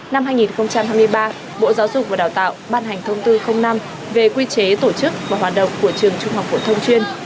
năm hai nghìn hai mươi ba bộ giáo dục và đào tạo ban hành thông tư năm về quy chế tổ chức và hoạt động của trường trung học phổ thông chuyên